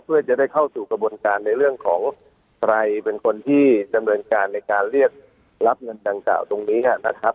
เพื่อจะได้เข้าสู่กระบวนการในเรื่องของใครเป็นคนที่ดำเนินการในการเรียกรับเงินดังกล่าวตรงนี้นะครับ